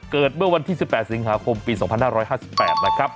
เกิดเมื่อวันที่๑๘สิงหาคมปี๒๕๕๘นะครับ